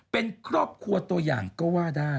เป็นครอบครัวตัวอย่างก็ว่าได้